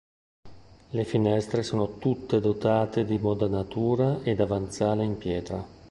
Le finestre sono tutte dotate di modanatura e davanzale in pietra.